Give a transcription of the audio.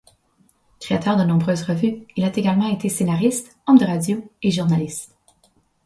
Créateur de nombreuses revues, il a également été scénariste, homme de radio et journaliste.